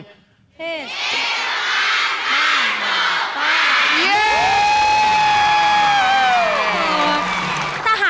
เฮ่ยสวัสดีครับฮ่าโหฮ่า